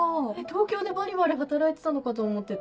東京でバリバリ働いてたのかと思ってた。